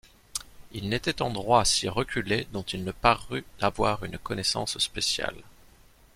Il n’était endroit si reculé dont il ne parût avoir une connaissance spéciale.